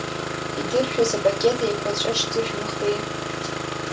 Идыршәыз апакет еиқәаҵәа шьҭышәымхи…